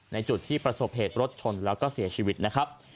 ในจุดที่ประสบเหตุรถชนแล้วก็เสียชีวิตนะครับ